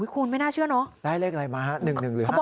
คุณไม่น่าเชื่อเนอะได้เลขอะไรมา๑๑หรือ๕๓